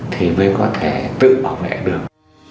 thì mới có thể tự bảo vệ được